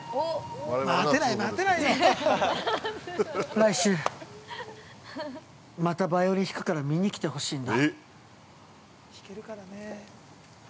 来週、またバイオリン弾くから見に来てほしいんだ。